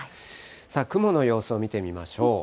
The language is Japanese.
さあ、雲の様子を見てみましょう。